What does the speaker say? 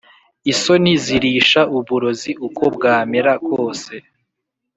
Isoni zirisha uburozi uko bwamera kose